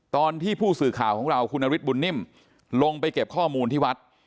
ตอนที่ผู้สื่อข่าวของเราคุณนฤทธบุญนิ่มลงไปเก็บข้อมูลที่วัด